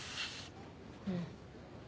うん。